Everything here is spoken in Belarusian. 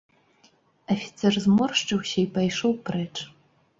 Афіцэр зморшчыўся і пайшоў прэч.